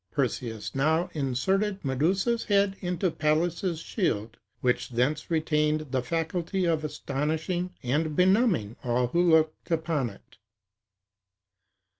Perseus now inserted Medusa's head into Pallas's shield, which thence retained the faculty of astonishing and benumbing all who looked on it."